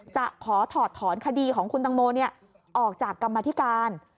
จะขอถอดถอนคดีของคุณตังโมออกจากกรรมธิการ